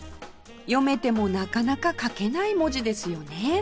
読めてもなかなか書けない文字ですよね